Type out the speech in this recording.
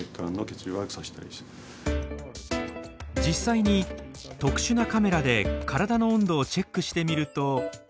実際に特殊なカメラで体の温度をチェックしてみると。